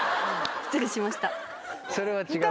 失礼しました。